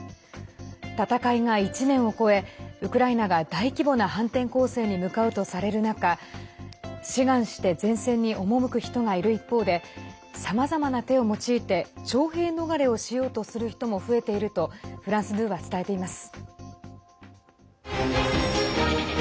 戦いが１年を超えウクライナが大規模な反転攻勢に向かうとされる中志願して前線に赴く人がいる一方でさまざまな手を用いて徴兵逃れをしようとする人も増えているとフランス２は伝えています。